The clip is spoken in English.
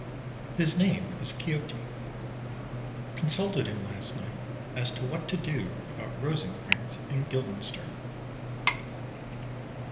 His name is Quixote. Consulted him last night as to what to do about Rosencrantz and Guildenstern.